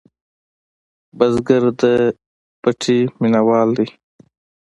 بزګر د پټي مېنهوال دی